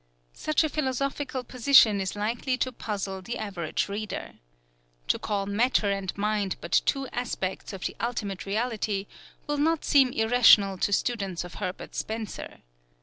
Such a philosophical position is likely to puzzle the average reader. To call matter and mind but two aspects of the Ultimate Reality will not seem irrational to students of Herbert Spencer.